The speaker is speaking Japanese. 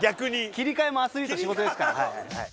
切り替えもアスリートの仕事ですから。